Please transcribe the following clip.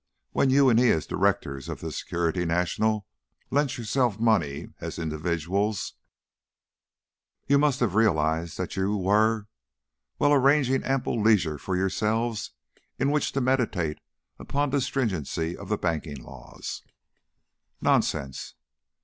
When you and he, as directors of the Security National, lent yourselves money, as individuals, you must have realized that you were well, arranging ample leisure for yourselves in which to meditate upon the stringency of the banking laws " "Nonsense!